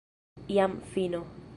Jam fino!